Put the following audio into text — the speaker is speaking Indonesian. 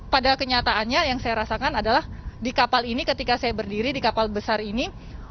pada kenyataannya yang saya rasakan adalah di kapal ini ketika saya berdiri di kapal besar ini